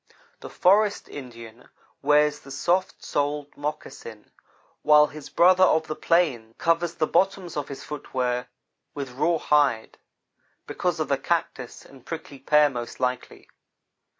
The forest Indian wears the soft soled moccasin, while his brother of the plains covers the bottoms of his footwear with rawhide, because of the cactus and prickly pear, most likely.